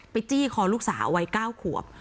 จี้คอลูกสาววัย๙ขวบ